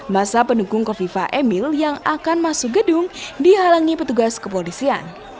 masa pendukung kofifa emil yang akan masuk gedung dihalangi petugas kepolisian